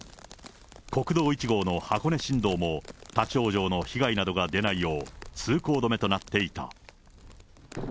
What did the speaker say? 国道１号の箱根新道も立往生の被害などが出ないよう、通行止めとなっていた。